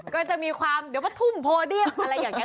ก็จะมีความเดี๋ยวว่าทุ่มโพเดียมอะไรอย่างนี้